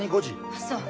あっそう。